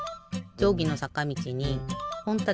じょうぎのさかみちにほんたてとけしごむ。